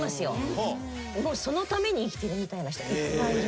そのために生きてるみたいな人いっぱいいる。